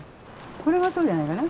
これがそうじゃないかな？